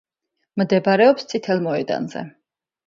მდებარეობს წითელ მოედანზე.